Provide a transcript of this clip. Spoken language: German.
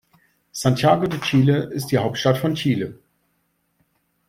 Santiago de Chile ist die Hauptstadt von Chile.